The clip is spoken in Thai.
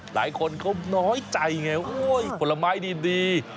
หลายคนเขาน้อยใจแหงผลไม้ดี